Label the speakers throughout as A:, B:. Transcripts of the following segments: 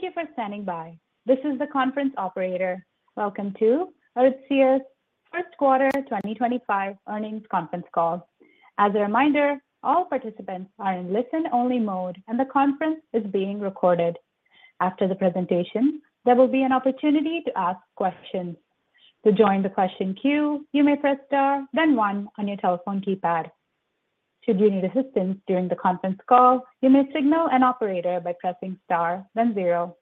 A: Thank you for standing by. This is the conference operator. Welcome to Aritzia's First Quarter 2025 Earnings Conference Call. As a reminder, all participants are in listen-only mode, and the conference is being recorded. After the presentation, there will be an opportunity to ask questions. To join the question queue, you may press star, then one on your telephone keypad. Should you need assistance during the conference call, you may signal an operator by pressing star, then zero.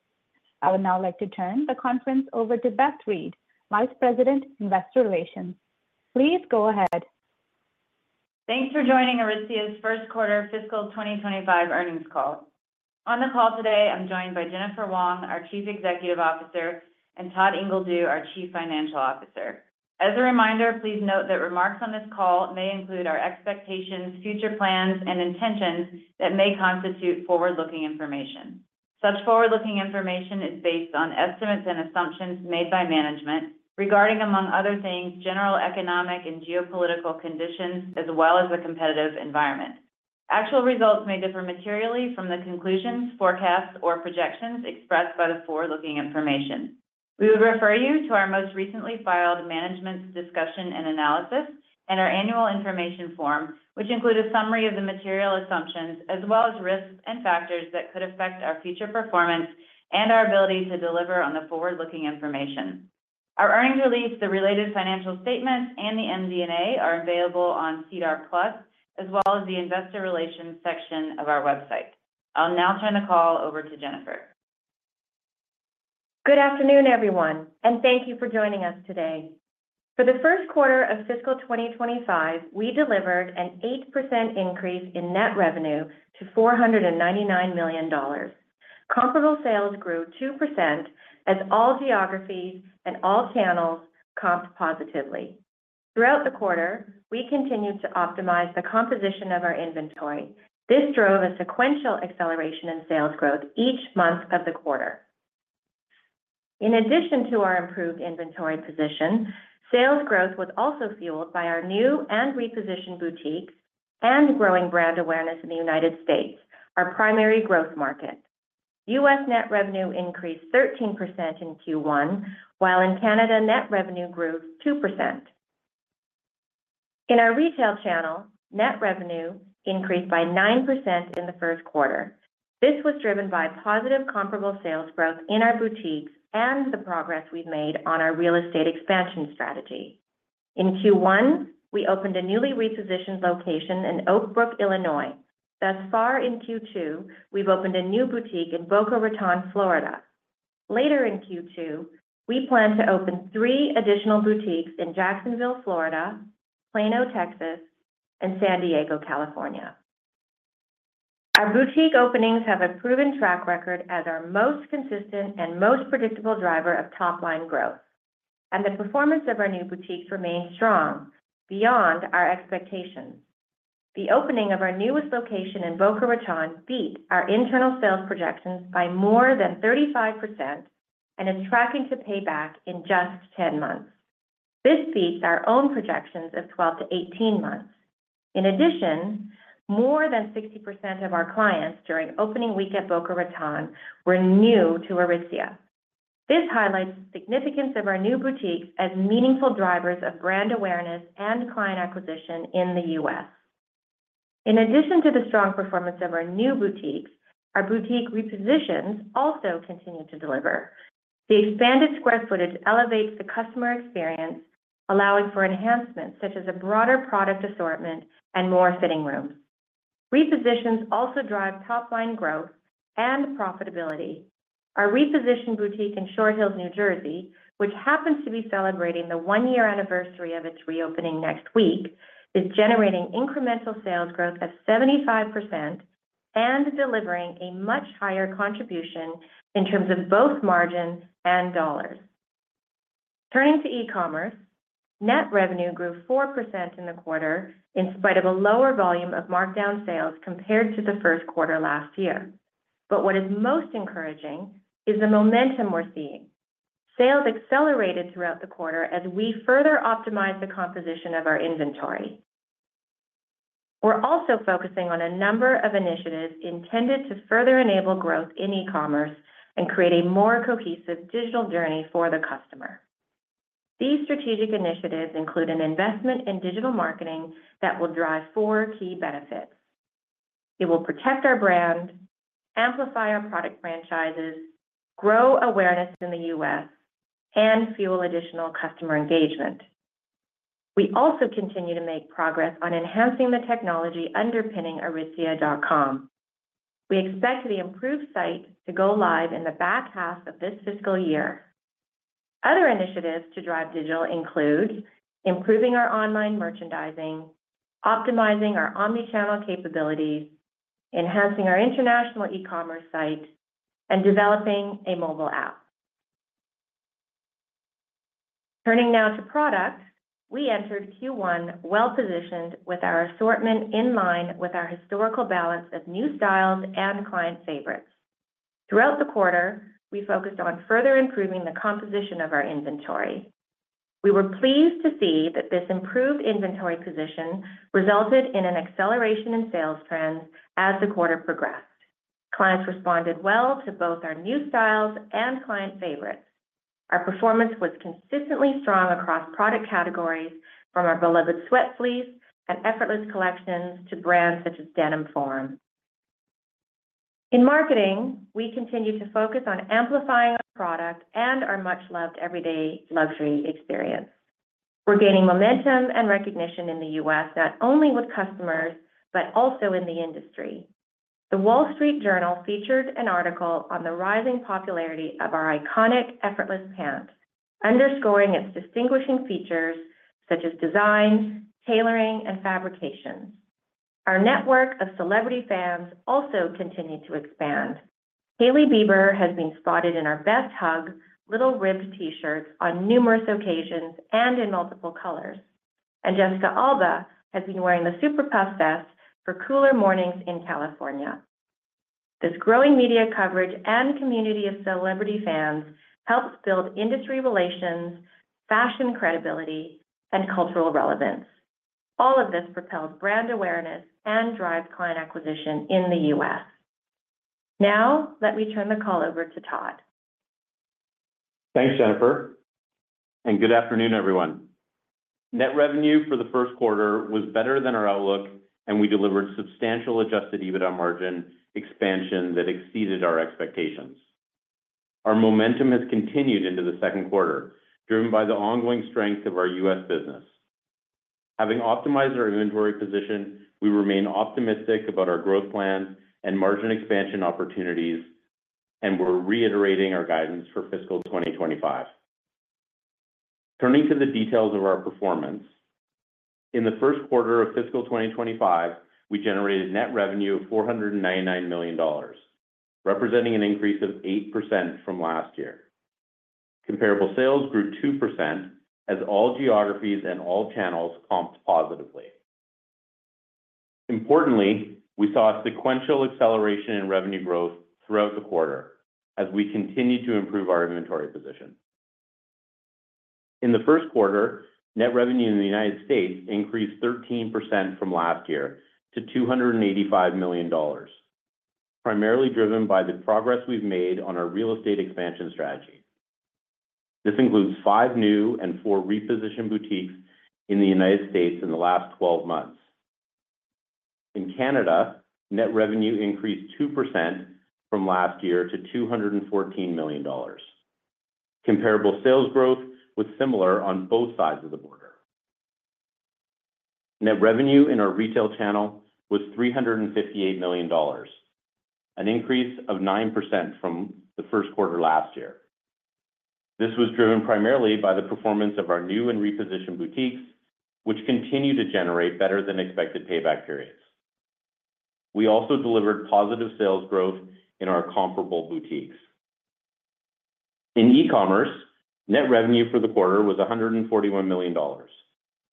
A: I would now like to turn the conference over to Beth Reed, Vice President, Investor Relations. Please go ahead.
B: Thanks for joining Aritzia's first quarter fiscal 2025 earnings call. On the call today, I'm joined by Jennifer Wong, our Chief Executive Officer, and Todd Ingledew, our Chief Financial Officer. As a reminder, please note that remarks on this call may include our expectations, future plans, and intentions that may constitute forward-looking information. Such forward-looking information is based on estimates and assumptions made by management regarding, among other things, general economic and geopolitical conditions, as well as the competitive environment. Actual results may differ materially from the conclusions, forecasts, or projections expressed by the forward-looking information. We would refer you to our most recently filed management's discussion and analysis and our annual information form, which include a summary of the material assumptions, as well as risks and factors that could affect our future performance and our ability to deliver on the forward-looking information. Our earnings release, the related financial statements, and the MD&A are available on SEDAR+ as well as the investor relations section of our website. I'll now turn the call over to Jennifer.
C: Good afternoon, everyone, and thank you for joining us today. For the first quarter of fiscal 2025, we delivered an 8% increase in net revenue to 499 million dollars. Comparable sales grew 2%, as all geographies and all channels comped positively. Throughout the quarter, we continued to optimize the composition of our inventory. This drove a sequential acceleration in sales growth each month of the quarter. In addition to our improved inventory position, sales growth was also fueled by our new and repositioned boutiques and growing brand awareness in the United States, our primary growth market. U.S. net revenue increased 13% in Q1, while in Canada, net revenue grew 2%. In our retail channel, net revenue increased by 9% in the first quarter. This was driven by positive comparable sales growth in our boutiques and the progress we've made on our real estate expansion strategy. In Q1, we opened a newly repositioned location in Oak Brook, Illinois. Thus far in Q2, we've opened a new boutique in Boca Raton, Florida. Later in Q2, we plan to open 3 additional boutiques in Jacksonville, Florida, Plano, Texas, and San Diego, California. Our boutique openings have a proven track record as our most consistent and most predictable driver of top-line growth, and the performance of our new boutiques remains strong beyond our expectations. The opening of our newest location in Boca Raton beat our internal sales projections by more than 35% and is tracking to pay back in just 10 months. This beats our own projections of 12-18 months. In addition, more than 60% of our clients during opening week at Boca Raton were new to Aritzia. This highlights the significance of our new boutiques as meaningful drivers of brand awareness and client acquisition in the U.S. In addition to the strong performance of our new boutiques, our boutique repositions also continue to deliver. The expanded square footage elevates the customer experience, allowing for enhancements such as a broader product assortment and more sitting rooms. Repositions also drive top-line growth and profitability. Our repositioned boutique in Short Hills, New Jersey, which happens to be celebrating the one-year anniversary of its reopening next week, is generating incremental sales growth of 75% and delivering a much higher contribution in terms of both margins and dollars. Turning to e-commerce, net revenue grew 4% in the quarter in spite of a lower volume of markdown sales compared to the first quarter last year. But what is most encouraging is the momentum we're seeing. Sales accelerated throughout the quarter as we further optimized the composition of our inventory. We're also focusing on a number of initiatives intended to further enable growth in e-commerce and create a more cohesive digital journey for the customer. These strategic initiatives include an investment in digital marketing that will drive 4 key benefits: It will protect our brand, amplify our product franchises, grow awareness in the U.S., and fuel additional customer engagement. We also continue to make progress on enhancing the technology underpinning Aritzia.com. We expect the improved site to go live in the back half of this fiscal year. Other initiatives to drive digital include improving our online merchandising, optimizing our omni-channel capabilities, enhancing our international e-commerce site, and developing a mobile app. Turning now to product, we entered Q1 well-positioned with our assortment in line with our historical balance of new styles and client favorites. Throughout the quarter, we focused on further improving the composition of our inventory. We were pleased to see that this improved inventory position resulted in an acceleration in sales trends as the quarter progressed. Clients responded well to both our new styles and client favorites. Our performance was consistently strong across product categories, from our beloved Sweatfleece and Effortless collections to brands such as Denim Forum. In marketing, we continue to focus on amplifying our product and our much-loved everyday luxury experience. We're gaining momentum and recognition in the U.S., not only with customers, but also in the industry. The Wall Street Journal featured an article on the rising popularity of our iconic Effortless Pant, underscoring its distinguishing features such as design, tailoring, and fabrications. Our network of celebrity fans also continued to expand. Hailey Bieber has been spotted in our BestHug Little Ribbed T-shirts on numerous occasions and in multiple colors, and Jessica Alba has been wearing the Super Puff vest for cooler mornings in California. This growing media coverage and community of celebrity fans helps build industry relations, fashion credibility, and cultural relevance. All of this propels brand awareness and drives client acquisition in the US. Now, let me turn the call over to Todd.
D: Thanks, Jennifer, and good afternoon, everyone. Net revenue for the first quarter was better than our outlook, and we delivered substantial Adjusted EBITDA margin expansion that exceeded our expectations. Our momentum has continued into the second quarter, driven by the ongoing strength of our U.S. business. Having optimized our inventory position, we remain optimistic about our growth plans and margin expansion opportunities, and we're reiterating our guidance for fiscal 2025. Turning to the details of our performance. In the first quarter of fiscal 2025, we generated net revenue of 499 million dollars, representing an increase of 8% from last year. Comparable sales grew 2%, as all geographies and all channels comped positively. Importantly, we saw a sequential acceleration in revenue growth throughout the quarter as we continued to improve our inventory position. In the first quarter, net revenue in the United States increased 13% from last year to 285 million dollars, primarily driven by the progress we've made on our real estate expansion strategy. This includes 5 new and 4 repositioned boutiques in the United States in the last 12 months. In Canada, net revenue increased 2% from last year to 214 million dollars. Comparable sales growth was similar on both sides of the border. Net revenue in our retail channel was 358 million dollars, an increase of 9% from the first quarter last year. This was driven primarily by the performance of our new and repositioned boutiques, which continue to generate better-than-expected payback periods. We also delivered positive sales growth in our comparable boutiques. In e-commerce, net revenue for the quarter was 141 million dollars,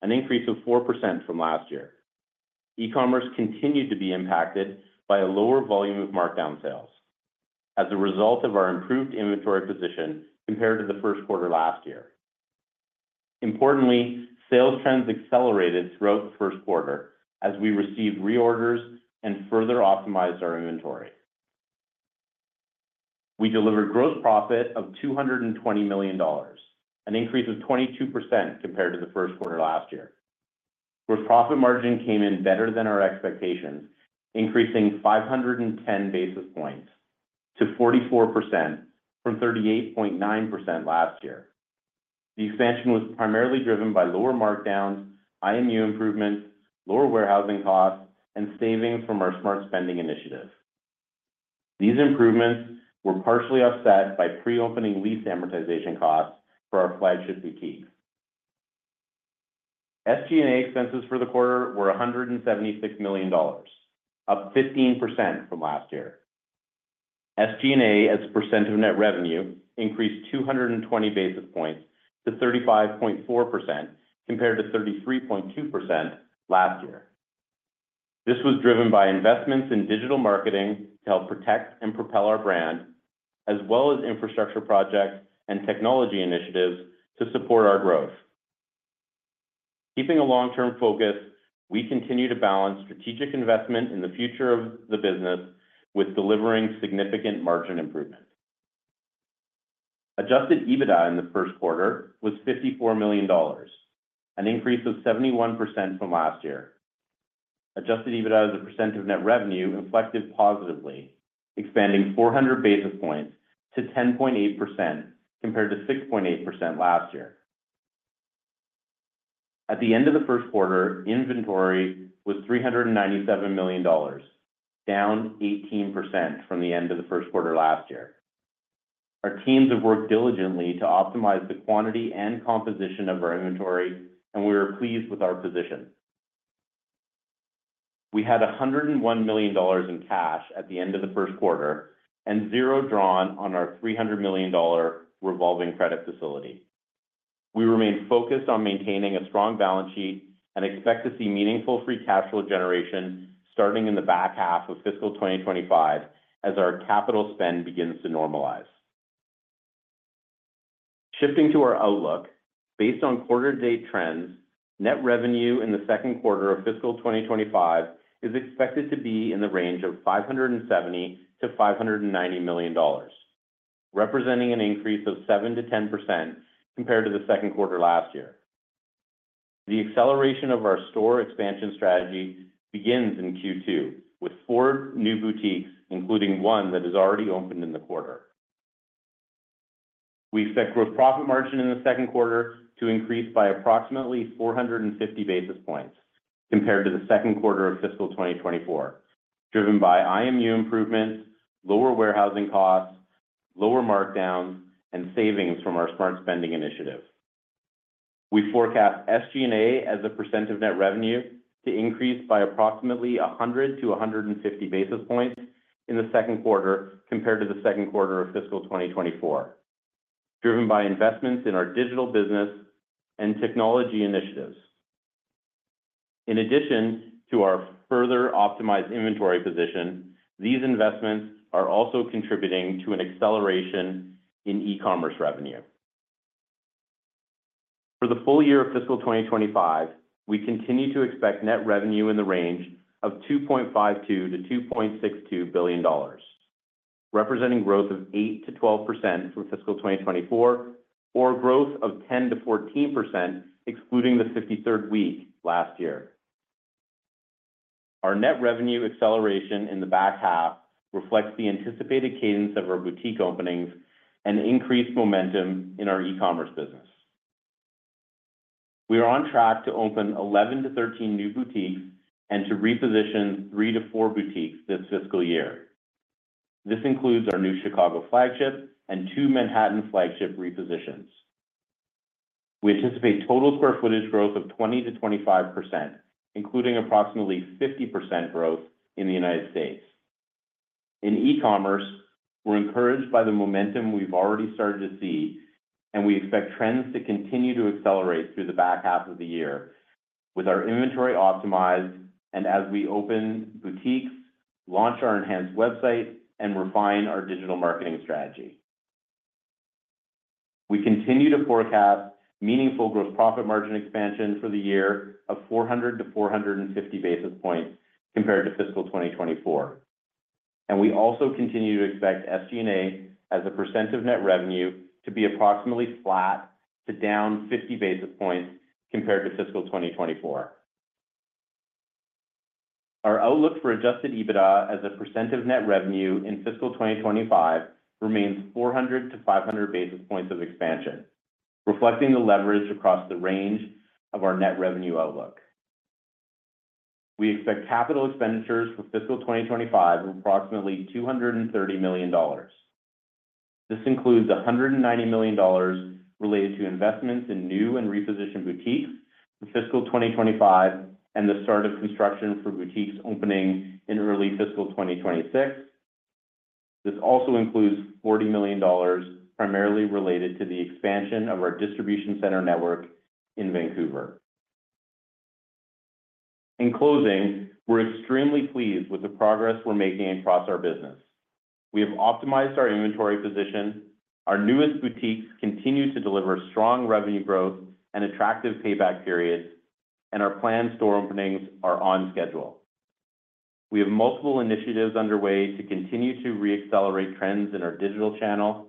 D: an increase of 4% from last year. E-commerce continued to be impacted by a lower volume of markdown sales as a result of our improved inventory position compared to the first quarter last year. Importantly, sales trends accelerated throughout the first quarter as we received reorders and further optimized our inventory. We delivered gross profit of 220 million dollars, an increase of 22% compared to the first quarter last year. Gross profit margin came in better than our expectations, increasing 510 basis points to 44% from 38.9% last year. The expansion was primarily driven by lower markdowns, IMU improvements, lower warehousing costs, and savings from our Smart Spending initiatives. These improvements were partially offset by pre-opening lease amortization costs for our flagship boutiques. SG&A expenses for the quarter were 176 million dollars, up 15% from last year. SG&A, as a percent of net revenue, increased 220 basis points to 35.4%, compared to 33.2% last year. This was driven by investments in digital marketing to help protect and propel our brand, as well as infrastructure projects and technology initiatives to support our growth. Keeping a long-term focus, we continue to balance strategic investment in the future of the business with delivering significant margin improvements. Adjusted EBITDA in the first quarter was 54 million dollars, an increase of 71% from last year. Adjusted EBITDA as a percent of net revenue inflected positively, expanding 400 basis points to 10.8%, compared to 6.8% last year. At the end of the first quarter, inventory was 397 million dollars, down 18% from the end of the first quarter last year. Our teams have worked diligently to optimize the quantity and composition of our inventory, and we are pleased with our position. We had 101 million dollars in cash at the end of the first quarter and zero drawn on our 300 million dollar revolving credit facility. We remain focused on maintaining a strong balance sheet and expect to see meaningful free cash flow generation starting in the back half of fiscal 2025 as our capital spend begins to normalize. Shifting to our outlook, based on quarter-to-date trends, net revenue in the second quarter of fiscal 2025 is expected to be in the range of 570 million-590 million dollars, representing an increase of 7%-10% compared to the second quarter last year. The acceleration of our store expansion strategy begins in Q2, with four new boutiques, including one that is already opened in the quarter. We expect gross profit margin in the second quarter to increase by approximately 450 basis points compared to the second quarter of fiscal 2024, driven by IMU improvements, lower warehousing costs, lower markdowns, and savings from our Smart Spending initiative. We forecast SG&A as a percent of net revenue to increase by approximately 100-150 basis points in the second quarter compared to the second quarter of fiscal 2024, driven by investments in our digital business and technology initiatives. In addition to our further optimized inventory position, these investments are also contributing to an acceleration in e-commerce revenue. For the full year of fiscal 2025, we continue to expect net revenue in the range of 2.52 billion-2.62 billion dollars, representing growth of 8%-12% from fiscal 2024, or growth of 10%-14%, excluding the 53rd week last year. Our net revenue acceleration in the back half reflects the anticipated cadence of our boutique openings and increased momentum in our e-commerce business. We are on track to open 11-13 new boutiques and to reposition 3-4 boutiques this fiscal year. This includes our new Chicago flagship and two Manhattan flagship repositions. We anticipate total square footage growth of 20%-25%, including approximately 50% growth in the United States. In e-commerce, we're encouraged by the momentum we've already started to see, and we expect trends to continue to accelerate through the back half of the year. With our inventory optimized and as we open boutiques, launch our enhanced website, and refine our digital marketing strategy. We continue to forecast meaningful gross profit margin expansion for the year of 400-450 basis points compared to fiscal 2024, and we also continue to expect SG&A as a % of net revenue to be approximately flat to down 50 basis points compared to fiscal 2024. Our outlook for adjusted EBITDA as a % of net revenue in fiscal 2025 remains 400-500 basis points of expansion, reflecting the leverage across the range of our net revenue outlook. We expect capital expenditures for fiscal 2025 of approximately 230 million dollars. This includes 190 million dollars related to investments in new and repositioned boutiques for fiscal 2025 and the start of construction for boutiques opening in early fiscal 2026. This also includes 40 million dollars, primarily related to the expansion of our distribution center network in Vancouver. In closing, we're extremely pleased with the progress we're making across our business. We have optimized our inventory position. Our newest boutiques continue to deliver strong revenue growth and attractive payback periods, and our planned store openings are on schedule. We have multiple initiatives underway to continue to re-accelerate trends in our digital channel,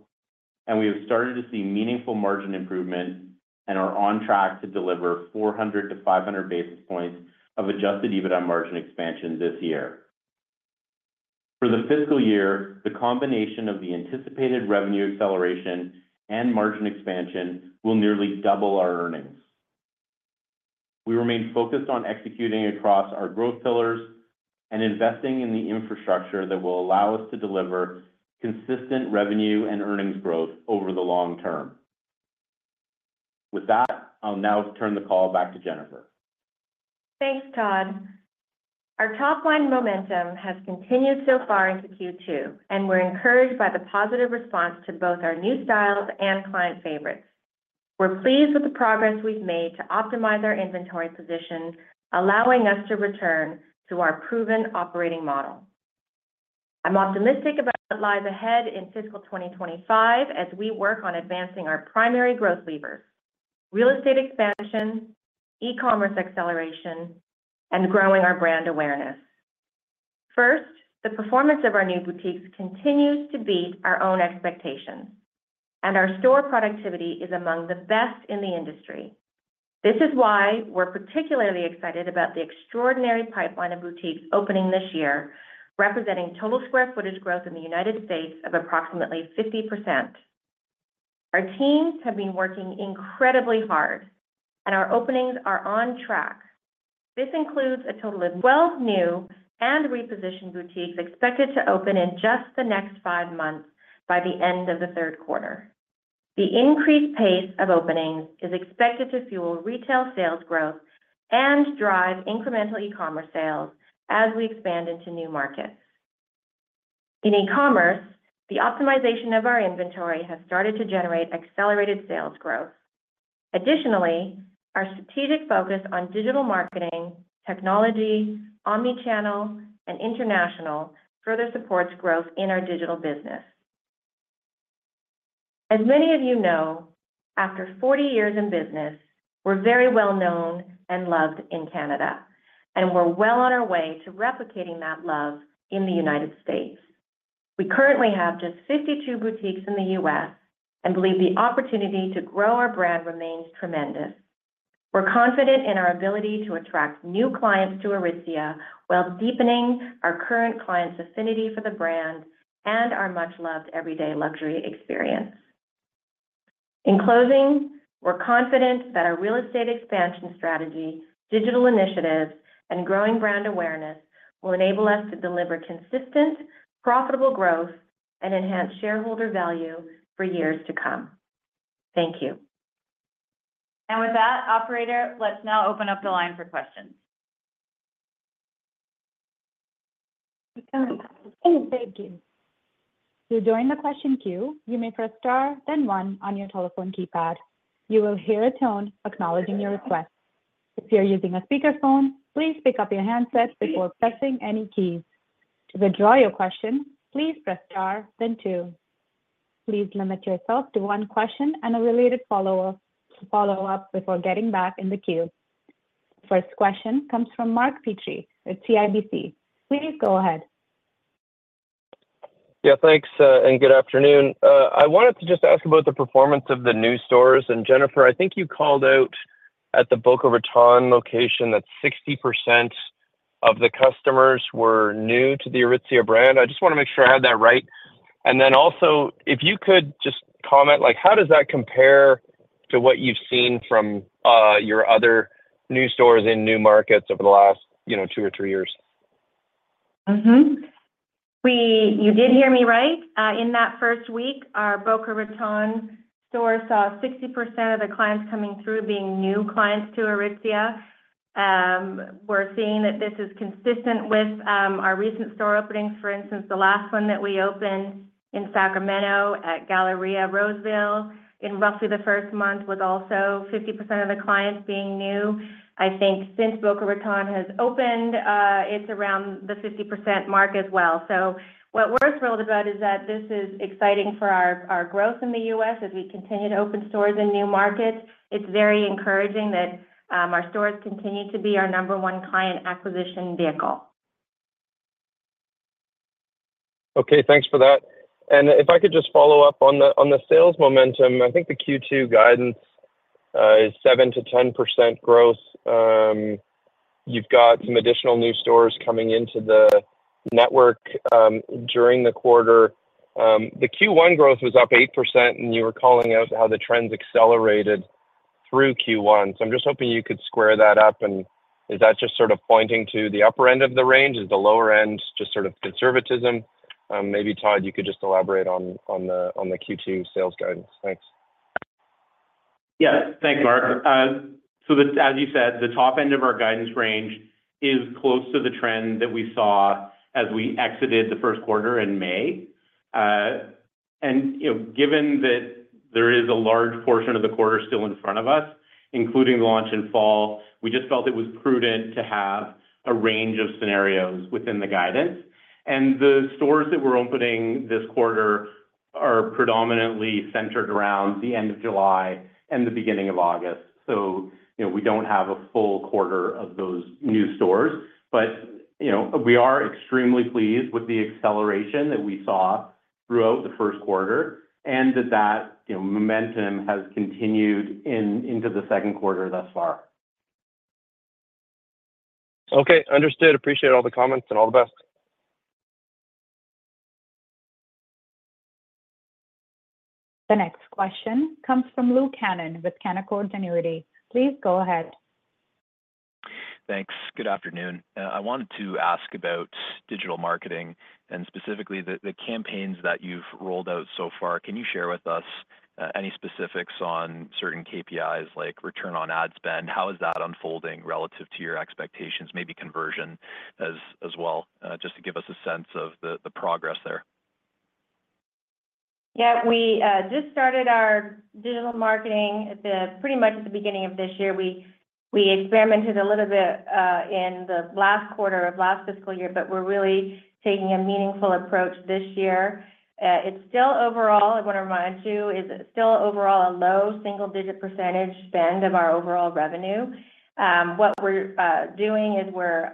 D: and we have started to see meaningful margin improvement and are on track to deliver 400-500 basis points of adjusted EBITDA margin expansion this year. For the fiscal year, the combination of the anticipated revenue acceleration and margin expansion will nearly double our earnings. We remain focused on executing across our growth pillars and investing in the infrastructure that will allow us to deliver consistent revenue and earnings growth over the long term. With that, I'll now turn the call back to Jennifer.
C: Thanks, Todd. Our top-line momentum has continued so far into Q2, and we're encouraged by the positive response to both our new styles and client favorites. We're pleased with the progress we've made to optimize our inventory position, allowing us to return to our proven operating model. I'm optimistic about what lies ahead in fiscal 2025 as we work on advancing our primary growth levers: real estate expansion, e-commerce acceleration, and growing our brand awareness. First, the performance of our new boutiques continues to beat our own expectations, and our store productivity is among the best in the industry. This is why we're particularly excited about the extraordinary pipeline of boutiques opening this year, representing total square footage growth in the United States of approximately 50%. Our teams have been working incredibly hard, and our openings are on track. This includes a total of 12 new and repositioned boutiques expected to open in just the next 5 months by the end of the third quarter. The increased pace of openings is expected to fuel retail sales growth and drive incremental e-commerce sales as we expand into new markets. In e-commerce, the optimization of our inventory has started to generate accelerated sales growth. Additionally, our strategic focus on digital marketing, technology, omni-channel, and international further supports growth in our digital business. As many of you know, after 40 years in business, we're very well known and loved in Canada, and we're well on our way to replicating that love in the United States. We currently have just 52 boutiques in the U.S. and believe the opportunity to grow our brand remains tremendous. We're confident in our ability to attract new clients to Aritzia, while deepening our current clients' affinity for the brand and our much-loved everyday luxury experience. In closing, we're confident that our real estate expansion strategy, digital initiatives, and growing brand awareness will enable us to deliver consistent, profitable growth and enhance shareholder value for years to come. Thank you. And with that, operator, let's now open up the line for questions.
A: Thank you. To join the question queue, you may press star, then one on your telephone keypad. You will hear a tone acknowledging your request. If you're using a speakerphone, please pick up your handset before pressing any keys. To withdraw your question, please press star, then two. Please limit yourself to one question and a related follow-up before getting back in the queue. First question comes from Mark Petrie with CIBC. Please go ahead.
E: Yeah, thanks, and good afternoon. I wanted to just ask about the performance of the new stores. And Jennifer, I think you called out at the Boca Raton location that 60% of the customers were new to the Aritzia brand. I just want to make sure I have that right. And then also, if you could just comment, like, how does that compare to what you've seen from your other new stores in new markets over the last, you know, two or three years?
C: You did hear me right. In that first week, our Boca Raton store saw 60% of the clients coming through being new clients to Aritzia. We're seeing that this is consistent with our recent store openings. For instance, the last one that we opened in Sacramento at Galleria, Roseville, in roughly the first month, was also 50% of the clients being new. I think since Boca Raton has opened, it's around the 50% mark as well. So what we're thrilled about is that this is exciting for our growth in the U.S. as we continue to open stores in new markets. It's very encouraging that our stores continue to be our number one client acquisition vehicle.
E: Okay, thanks for that. And if I could just follow up on the, on the sales momentum. I think the Q2 guidance is 7%-10% growth. You've got some additional new stores coming into the network during the quarter. The Q1 growth was up 8%, and you were calling out how the trends accelerated through Q1. So I'm just hoping you could square that up, and is that just sort of pointing to the upper end of the range? Is the lower end just sort of conservatism? Maybe, Todd, you could just elaborate on, on the, on the Q2 sales guidance. Thanks.
D: Yeah. Thanks, Mark. So as you said, the top end of our guidance range is close to the trend that we saw as we exited the first quarter in May. And, you know, given that there is a large portion of the quarter still in front of us, including the launch in fall, we just felt it was prudent to have a range of scenarios within the guidance. And the stores that we're opening this quarter are predominantly centered around the end of July and the beginning of August, so, you know, we don't have a full quarter of those new stores. But, you know, we are extremely pleased with the acceleration that we saw throughout the first quarter and that that, you know, momentum has continued in, into the second quarter thus far.
E: Okay, understood. Appreciate all the comments, and all the best.
A: The next question comes from Luke Hannan with Canaccord Genuity. Please go ahead.
F: Thanks. Good afternoon. I wanted to ask about digital marketing and specifically the campaigns that you've rolled out so far. Can you share with us any specifics on certain KPIs like return on ad spend? How is that unfolding relative to your expectations, maybe conversion as well, just to give us a sense of the progress there?
C: Yeah, we just started our digital marketing at the pretty much at the beginning of this year. We experimented a little bit in the last quarter of last fiscal year, but we're really taking a meaningful approach this year. It's still overall, I want to remind you, is still overall a low single-digit % spend of our overall revenue. What we're doing is we're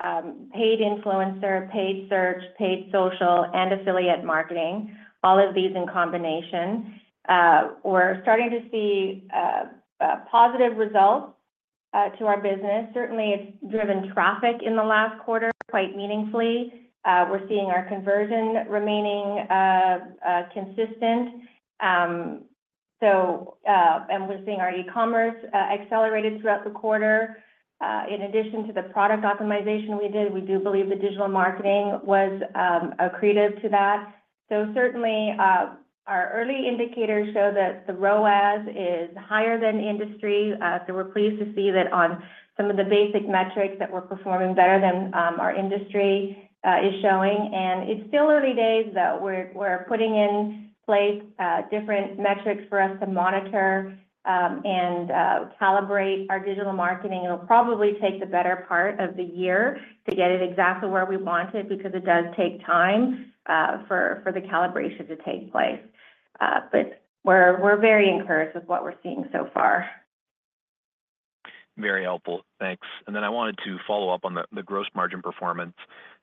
C: paid influencer, paid search, paid social, and affiliate marketing, all of these in combination. We're starting to see positive results to our business. Certainly, it's driven traffic in the last quarter quite meaningfully. We're seeing our conversion remaining consistent. So, and we're seeing our e-commerce accelerated throughout the quarter. In addition to the product optimization we did, we do believe the digital marketing was accretive to that. So certainly, our early indicators show that the ROAS is higher than industry. So we're pleased to see that on some of the basic metrics that we're performing better than our industry is showing. And it's still early days, though. We're putting in place different metrics for us to monitor and calibrate our digital marketing. It'll probably take the better part of the year to get it exactly where we want it, because it does take time for the calibration to take place. But we're very encouraged with what we're seeing so far.
F: Very helpful. Thanks. Then I wanted to follow up on the gross margin performance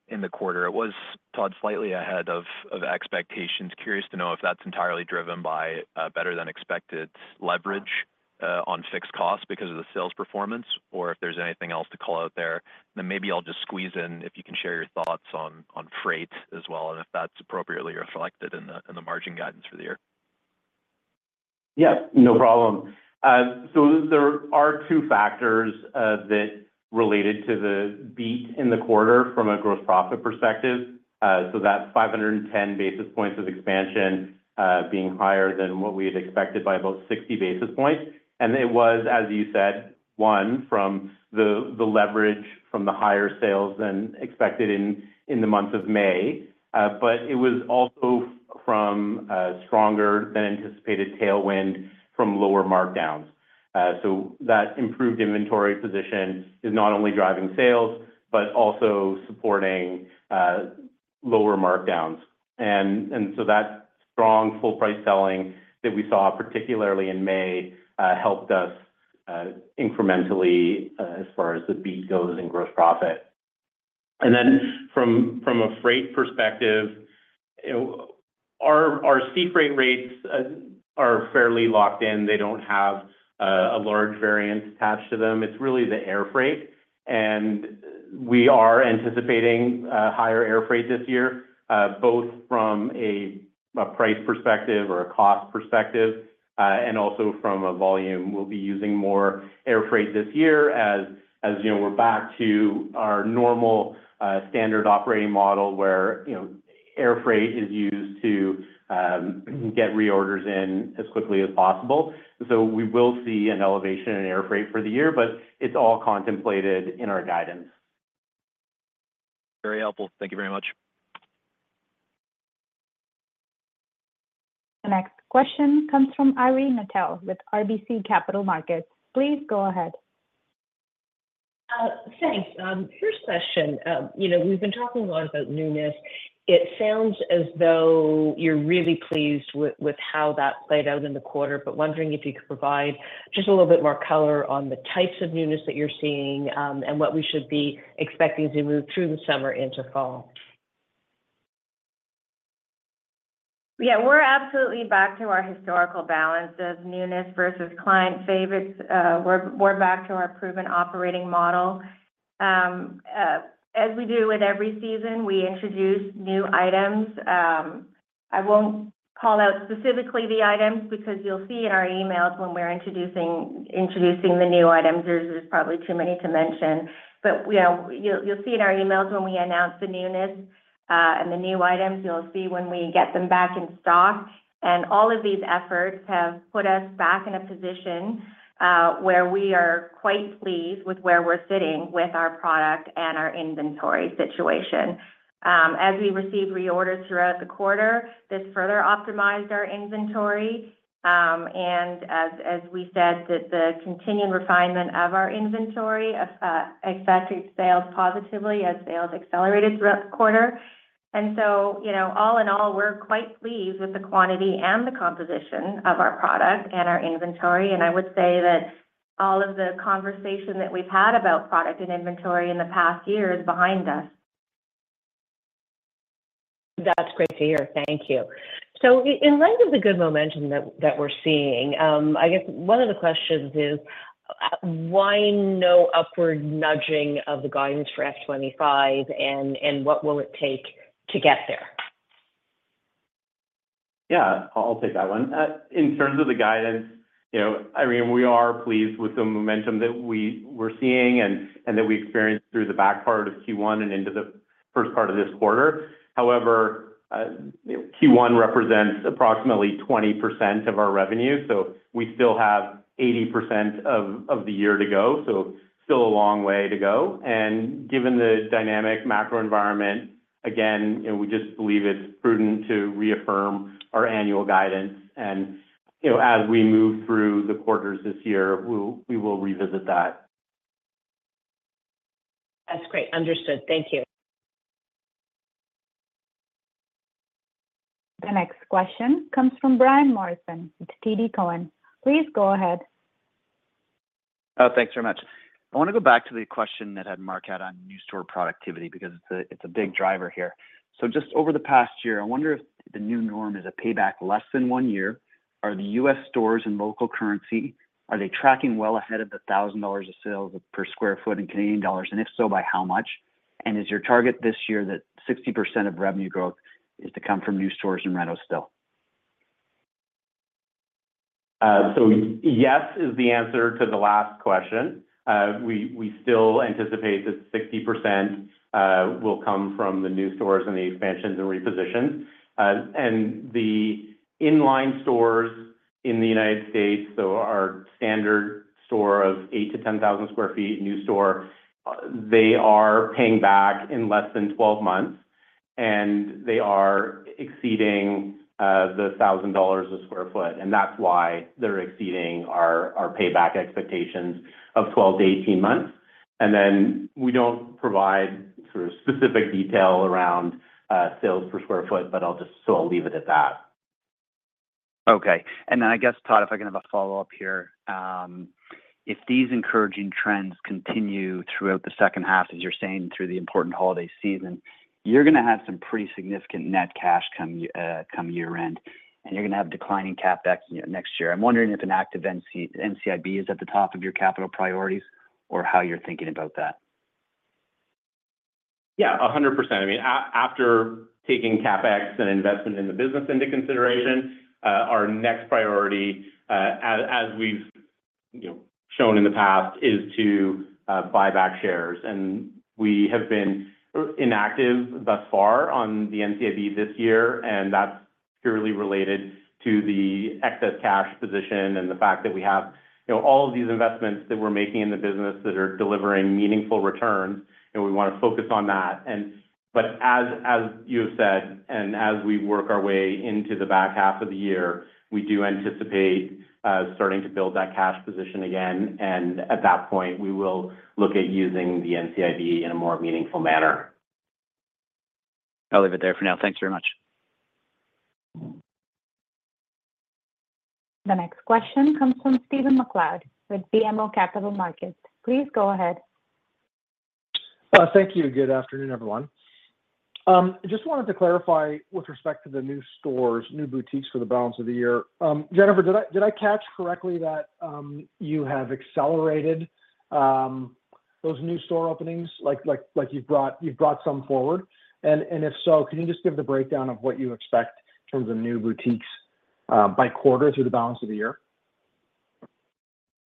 F: in the quarter. It was, Todd, slightly ahead of expectations. Curious to know if that's entirely driven by better-than-expected leverage on fixed costs because of the sales performance, or if there's anything else to call out there. Then maybe I'll just squeeze in, if you can share your thoughts on freight as well, and if that's appropriately reflected in the margin guidance for the year.
D: Yeah, no problem. So there are two factors that related to the beat in the quarter from a gross profit perspective. So that's 510 basis points of expansion, being higher than what we had expected by about 60 basis points. And it was, as you said, one, from the leverage from the higher sales than expected in the month of May. But it was also from a stronger than anticipated tailwind from lower markdowns. So that improved inventory position is not only driving sales, but also supporting lower markdowns. And so that strong full price selling that we saw, particularly in May, helped us incrementally as far as the beat goes in gross profit. And then from a freight perspective, our sea freight rates are fairly locked in. They don't have a large variance attached to them. It's really the air freight, and we are anticipating higher air freight this year, both from a price perspective or a cost perspective, and also from a volume. We'll be using more air freight this year as you know, we're back to our normal standard operating model, where you know, air freight is used to get reorders in as quickly as possible. So we will see an elevation in air freight for the year, but it's all contemplated in our guidance.
F: Very helpful. Thank you very much.
A: The next question comes from Irene Nattel with RBC Capital Markets. Please go ahead.
G: Thanks. First question, you know, we've been talking a lot about newness. It sounds as though you're really pleased with how that played out in the quarter, but wondering if you could provide just a little bit more color on the types of newness that you're seeing, and what we should be expecting as we move through the summer into fall.
C: Yeah, we're absolutely back to our historical balance of newness versus client favorites. We're back to our proven operating model. As we do with every season, we introduce new items. I won't call out specifically the items because you'll see in our emails when we're introducing the new items. There's probably too many to mention. But, you know, you'll see in our emails when we announce the newness, and the new items, you'll see when we get them back in stock. And all of these efforts have put us back in a position, where we are quite pleased with where we're sitting with our product and our inventory situation. As we receive reorders throughout the quarter, this further optimized our inventory. And as we said, that the continuing refinement of our inventory affected sales positively as sales accelerated throughout the quarter. And so, you know, all in all, we're quite pleased with the quantity and the composition of our product and our inventory. And I would say that all of the conversation that we've had about product and inventory in the past year is behind us.
G: That's great to hear. Thank you. So in light of the good momentum that we're seeing, I guess one of the questions is, why no upward nudging of the guidance for F25, and what will it take to get there?
D: Yeah, I'll take that one. In terms of the guidance, you know, Irene, we are pleased with the momentum that we're seeing and that we experienced through the back part of Q1 and into the first part of this quarter. However, Q1 represents approximately 20% of our revenue, so we still have 80% of the year to go, so still a long way to go. Given the dynamic macro environment, again, you know, we just believe it's prudent to reaffirm our annual guidance. You know, as we move through the quarters this year, we'll revisit that.
G: That's great. Understood. Thank you.
A: The next question comes from Brian Morrison with TD Cowen. Please go ahead.
H: Oh, thanks very much. I want to go back to the question that had Mark out on new store productivity because it's a, it's a big driver here. So just over the past year, I wonder if the new norm is a payback less than 1 year. Are the US stores in local currency, are they tracking well ahead of 1,000 dollars of sales per square feet in Canadian dollars? And if so, by how much? And is your target this year that 60% of revenue growth is to come from new stores and renos still?
D: So yes, is the answer to the last question. We still anticipate that 60% will come from the new stores and the expansions and repositions. And the in-line stores in the United States, so our standard store of 8-10,000 square feet, new store, they are paying back in less than 12 months, and they are exceeding the $1,000 a square feet, and that's why they're exceeding our payback expectations of 12-18 months. And then we don't provide sort of specific detail around sales per square feet, but I'll just so I'll leave it at that.
H: Okay, and then I guess, Todd, if I can have a follow-up here. If these encouraging trends continue throughout the second half, as you're saying, through the important holiday season, you're gonna have some pretty significant net cash come year-end, and you're gonna have declining CapEx next year. I'm wondering if an active NCIB is at the top of your capital priorities, or how you're thinking about that?
D: Yeah, 100%. I mean, after taking CapEx and investment in the business into consideration, our next priority, as we've, you know, shown in the past, is to buy back shares. And we have been inactive thus far on the NCIB this year, and that's purely related to the excess cash position and the fact that we have, you know, all of these investments that we're making in the business that are delivering meaningful returns, and we wanna focus on that. But as you have said, and as we work our way into the back half of the year, we do anticipate starting to build that cash position again, and at that point, we will look at using the NCIB in a more meaningful manner.
H: I'll leave it there for now. Thanks very much.
A: The next question comes from Stephen MacLeod with BMO Capital Markets. Please go ahead.
I: Thank you. Good afternoon, everyone. Just wanted to clarify with respect to the new stores, new boutiques for the balance of the year. Jennifer, did I catch correctly that you have accelerated those new store openings, like, you've brought some forward? And if so, can you just give the breakdown of what you expect in terms of new boutiques by quarter through the balance of the year?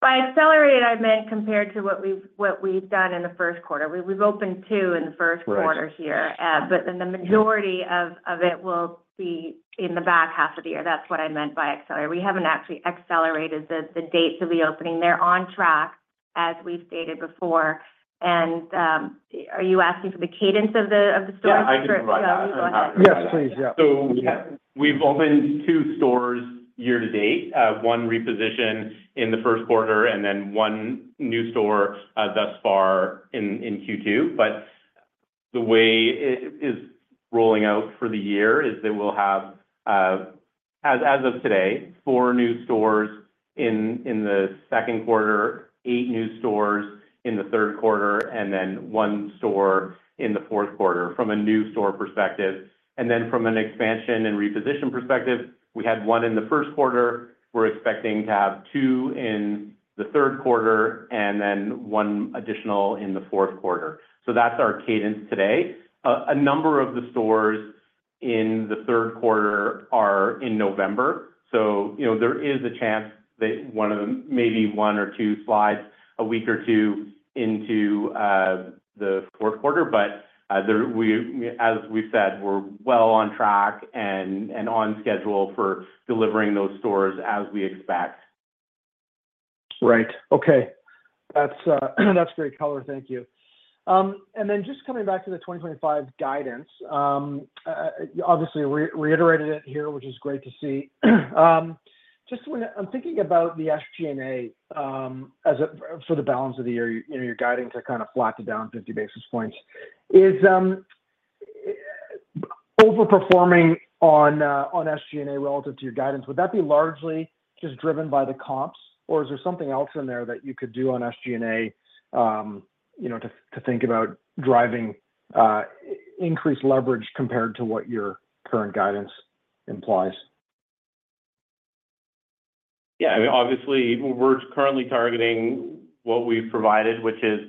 C: By accelerated, I meant compared to what we've done in the first quarter. We've opened two in the first quarter here.
I: Right.
C: But then the majority of it will be in the back half of the year. That's what I meant by accelerated. We haven't actually accelerated the dates of the opening. They're on track, as we've stated before. And, are you asking for the cadence of the stores?
D: Yeah, I can provide that.
C: Go ahead.
I: Yes, please. Yeah.
D: So we've opened two stores year to date, one repositioned in the first quarter and then one new store thus far in Q2. But the way it is rolling out for the year is that we'll have, as of today, four new stores in the second quarter, eight new stores in the third quarter, and then one store in the fourth quarter from a new store perspective. And then from an expansion and reposition perspective, we had one in the first quarter. We're expecting to have two in the third quarter and then one additional in the fourth quarter. So that's our cadence today. A number of the stores in the third quarter are in November, so you know, there is a chance that one of them, maybe one or two, slides a week or two into the fourth quarter. But, we, as we said, we're well on track and, and on schedule for delivering those stores as we expect.
I: Right. Okay. That's, that's great color. Thank you. And then just coming back to the 2025 guidance, obviously, reiterated it here, which is great to see. Just when I'm thinking about the SG&A, as for the balance of the year, you know, you're guiding to kinda flat to down 50 basis points. Is overperforming on SG&A relative to your guidance, would that be largely just driven by the comps, or is there something else in there that you could do on SG&A, you know, to, to think about driving increased leverage compared to what your current guidance implies?
D: Yeah, I mean, obviously, we're currently targeting what we've provided, which is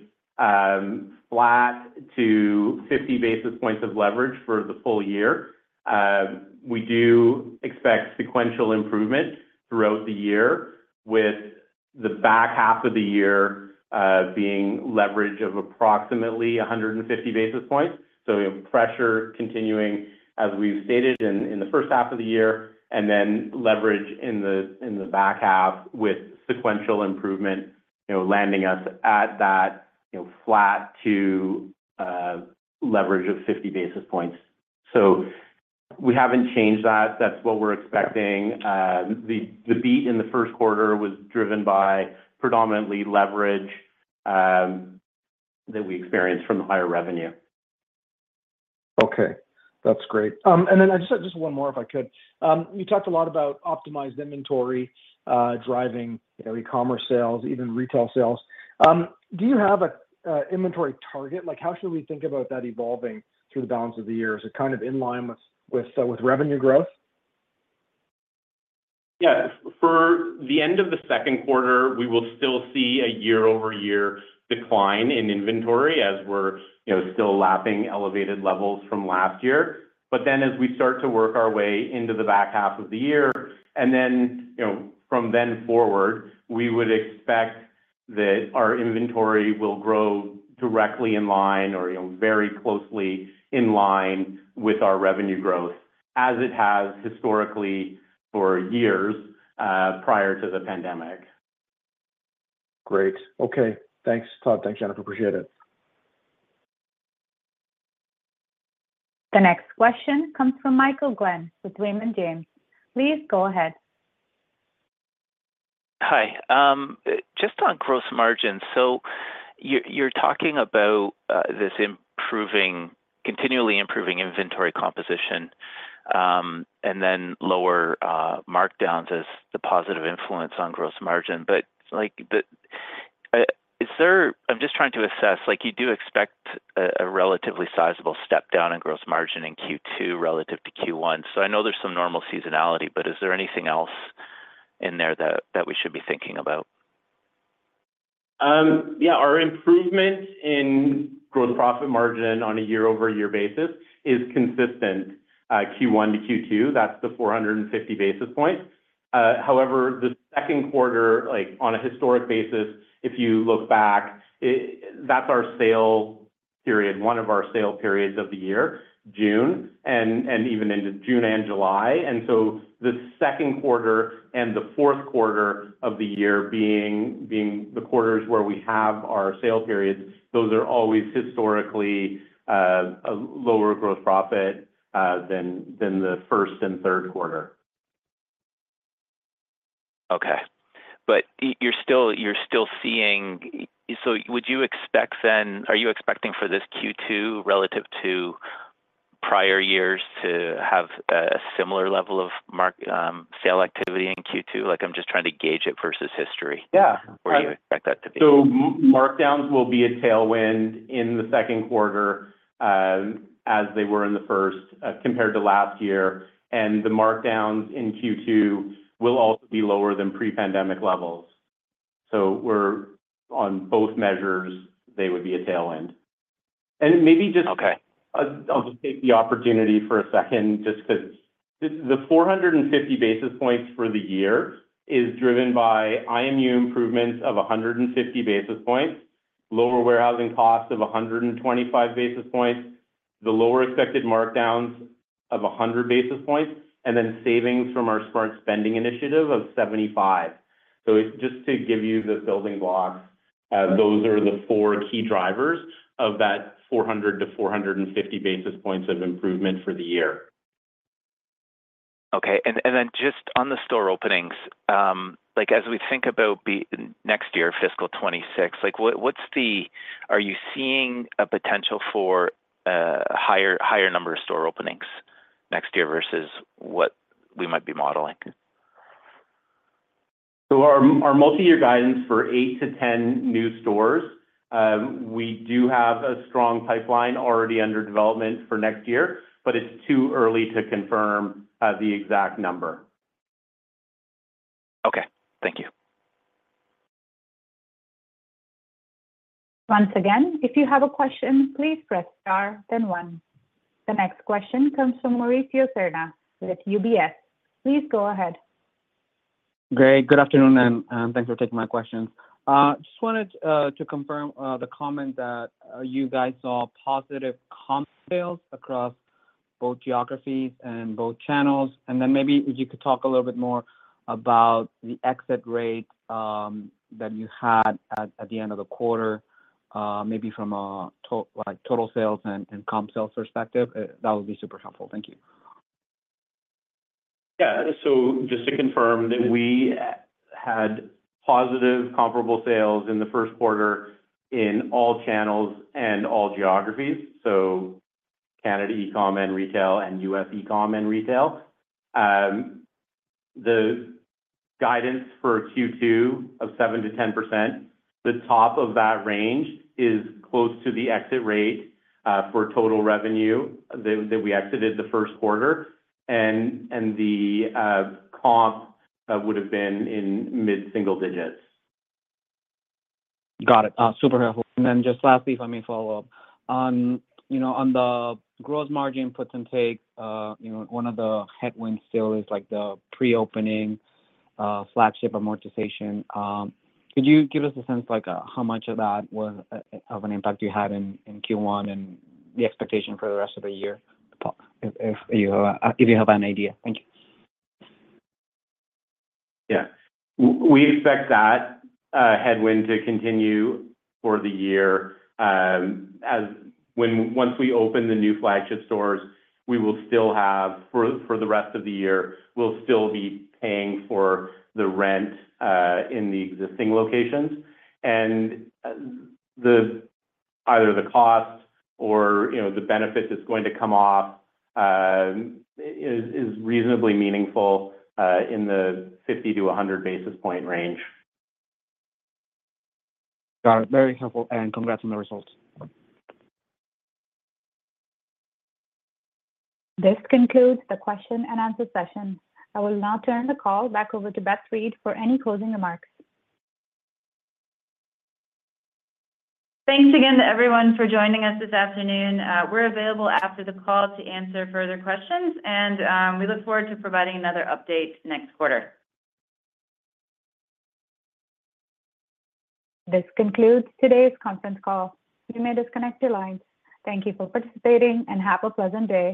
D: flat to 50 basis points of leverage for the full year. We do expect sequential improvement throughout the year, with the back half of the year being leverage of approximately 150 basis points. So we have pressure continuing, as we've stated in the first half of the year, and then leverage in the back half with sequential improvement, you know, landing us at that, you know, flat to leverage of 50 basis points. So we haven't changed that. That's what we're expecting. The beat in the first quarter was driven by predominantly leverage that we experienced from the higher revenue.
I: Okay. That's great. And then I just had just one more, if I could. You talked a lot about optimized inventory, driving, you know, e-commerce sales, even retail sales. Do you have a inventory target? Like, how should we think about that evolving through the balance of the year? Is it kind of in line with, with revenue growth?
D: Yeah. For the end of the second quarter, we will still see a year-over-year decline in inventory as we're, you know, still lapping elevated levels from last year. But then, as we start to work our way into the back half of the year, and then, you know, from then forward, we would expect that our inventory will grow directly in line or, you know, very closely in line with our revenue growth, as it has historically for years prior to the pandemic.
I: Great. Okay. Thanks, Todd. Thanks, Jennifer. Appreciate it.
A: The next question comes from Michael Glen with Raymond James. Please go ahead.
J: Just on gross margins. So you're, you're talking about this improving, continually improving inventory composition, and then lower markdowns as the positive influence on gross margin. But like, is there-- I'm just trying to assess, like, you do expect a, a relatively sizable step down in gross margin in Q2 relative to Q1. So I know there's some normal seasonality, but is there anything else in there that, that we should be thinking about?
D: Yeah, our improvement in gross profit margin on a year-over-year basis is consistent, Q1 to Q2. That's the 450 basis points. However, the second quarter, like, on a historic basis, if you look back, that's our sale period, one of our sale periods of the year, June, and even into June and July. And so the second quarter and the fourth quarter of the year being the quarters where we have our sale periods, those are always historically a lower gross profit than the first and third quarter.
J: Okay. But you're still, you're still seeing, so would you expect then- Are you expecting for this Q2 relative to prior years to have a, a similar level of mark, sale activity in Q2? Like, I'm just trying to gauge it versus history-
D: Yeah.
J: where you expect that to be.
D: So markdowns will be a tailwind in the second quarter, as they were in the first, compared to last year, and the markdowns in Q2 will also be lower than pre-pandemic levels. So we're, on both measures, they would be a tailwind. And maybe just-
J: Okay.
D: I'll just take the opportunity for a second just 'cause the 450 basis points for the year is driven by IMU improvements of 150 basis points, lower warehousing costs of 125 basis points, the lower expected markdowns of 100 basis points, and then savings from our Smart Spending initiative of 75. So just to give you the building blocks, those are the four key drivers of that 400-450 basis points of improvement for the year.
J: Okay. And then just on the store openings, like, as we think about next year, fiscal 2026, like, what, what's the, are you seeing a potential for higher number of store openings next year versus what we might be modeling?
D: Our multi-year guidance for 8-10 new stores, we do have a strong pipeline already under development for next year, but it's too early to confirm the exact number.
J: Okay. Thank you.
A: Once again, if you have a question, please press Star, then One. The next question comes from Mauricio Serna with UBS. Please go ahead.
K: Great. Good afternoon, and thanks for taking my questions. Just wanted to confirm the comment that you guys saw positive comp sales across both geographies and both channels. And then maybe if you could talk a little bit more about the exit rate that you had at the end of the quarter, maybe from a—like, total sales and comp sales perspective, that would be super helpful. Thank you.
D: Yeah. So just to confirm, we had positive comparable sales in the first quarter in all channels and all geographies, so Canada, e-com, and retail, and U.S. e-com and retail. The guidance for Q2 of 7%-10%, the top of that range is close to the exit rate, for total revenue that we exited the first quarter, and the comp would have been in mid-single digits.
K: Got it. Super helpful. And then just lastly, if I may follow up. On, you know, on the gross margin puts and takes, you know, one of the headwinds still is, like, the pre-opening flagship amortization. Could you give us a sense, like, how much of that was of an impact you had in Q1 and the expectation for the rest of the year, if you have an idea? Thank you.
D: Yeah. We expect that headwind to continue for the year. Once we open the new flagship stores, we will still have, for the rest of the year, we'll still be paying for the rent in the existing locations. And either the cost or, you know, the benefit that's going to come off is reasonably meaningful in the 50-100 basis point range.
K: Got it. Very helpful, and congrats on the results.
A: This concludes the question and answer session. I will now turn the call back over to Beth Reed for any closing remarks.
B: Thanks again to everyone for joining us this afternoon. We're available after the call to answer further questions, and we look forward to providing another update next quarter.
A: This concludes today's conference call. You may disconnect your lines. Thank you for participating, and have a pleasant day.